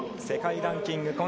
世界ランキング